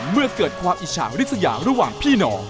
เมื่อเกิดความอิจฉาริสยาระหว่างพี่น้อง